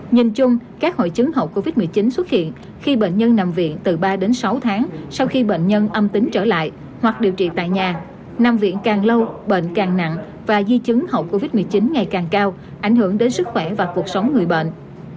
nhìn chung các hội chứng hậu covid một mươi chín xuất hiện khi bệnh nhân nằm viện từ ba đến sáu tháng sau khi bệnh nhân âm tính trở lại hoặc điều trị tại nhà nằm viện càng lâu bệnh càng nặng và di chứng hậu covid một mươi chín ngày càng cao ảnh hưởng đến sức khỏe và cuộc sống người bệnh